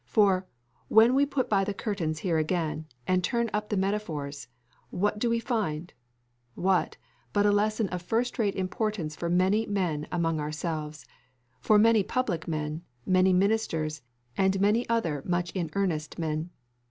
For, when we put by the curtains here again, and turn up the metaphors, what do we find? What, but a lesson of first rate importance for many men among ourselves; for many public men, many ministers, and many other much in earnest men.